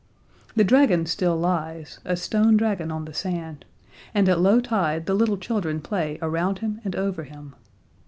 The dragon still lies, a stone dragon on the sand, and at low tide the little children play around him and over him.